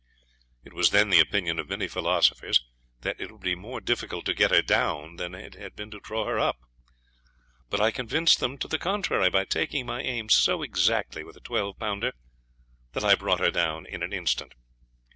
It was then the opinion of many philosophers that it would be more difficult to get her down then it had been to draw her up. But I convinced them to the contrary by taking my aim so exactly with a twelve pounder, that I brought her down in an instant.